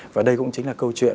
và đây cũng chính là câu chuyện